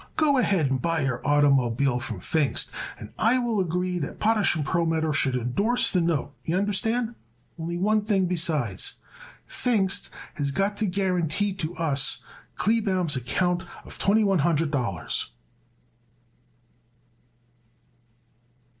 Go ahead and buy your oitermobile from Pfingst and I will agree that Potash & Perlmutter should endorse the note, y'understand, only one thing besides. Pfingst has got to guarantee to us Kleebaum's account of twenty one hundred dollars."